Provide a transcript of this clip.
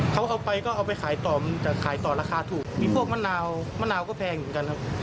เขาเอาไปก็เอาไปขายต่อมันจะขายต่อราคาถูกมีพวกมะนาวมะนาวก็แพงเหมือนกันครับ